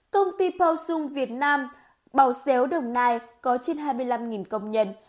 công ty pao sung việt nam bảo xéo đồng nai có trên hai mươi năm công nhân